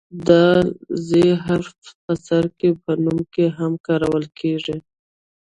د "ذ" حرف د سړک په نوم کې هم کارول کیږي.